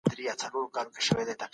حقوقي مرستي باید ټولو ته ورسیږي.